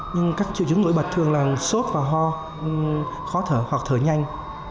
nhưng các triệu chứng nổi bật thường là sốt và ho khó thở hoặc thở nhanh